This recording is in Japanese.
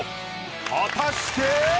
果たして？